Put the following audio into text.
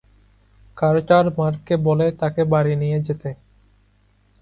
Carter মার্ককে বলে তাকে বাড়ি নিয়ে যেতে।